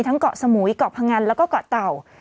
เกาะสมุยเกาะพงันแล้วก็เกาะเต่า